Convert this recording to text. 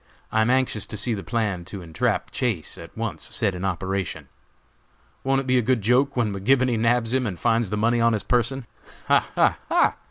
I am anxious to see the plan to entrap Chase at once set in operation. Won't it be a good joke when McGibony nabs him and finds the money on his person? Ha! ha! ha!